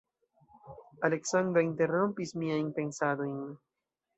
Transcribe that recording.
Aleksandra interrompis miajn pensadojn.